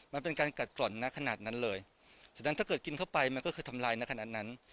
มันเป็นการกัดกร่อนนะขนาดนั้นเลยฉะนั้นถ้าเกิดกินเข้าไปมันก็คือทำลายในขนาดนั้น